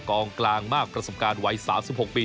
กองกลางมากประสบการณ์วัย๓๖ปี